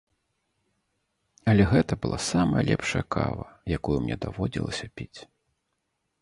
Але гэта была самая лепшая кава, якую мне даводзілася піць.